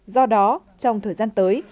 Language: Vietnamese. do đó trong thời gian tới